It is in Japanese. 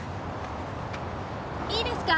いいですか？